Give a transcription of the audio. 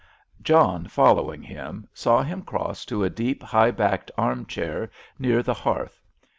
John, following him, saw him cross to a deep, high backed arm chair near the hearth.